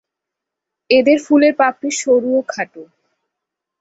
এদের ফুলের পাপড়ি সরু ও খাটো।